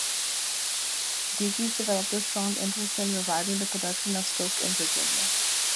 Digges developed a strong interest in reviving the production of silk in Virginia.